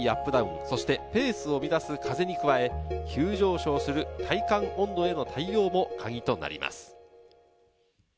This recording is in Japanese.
そしてペースを乱す風に加え、急上昇する体感温度への対応もカギとなります。